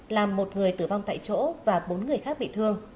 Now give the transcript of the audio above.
làm một người tử vong tại chỗ và bốn người khác bị thương